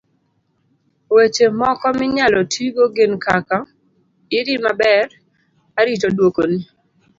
weche moko minyalo tigo gin kaka; iri maber, arito duoko ni